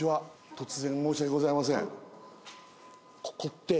突然申し訳ございません。